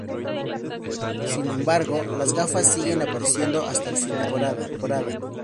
Sin embargo, las gafas siguen apareciendo hasta el final de la temporada.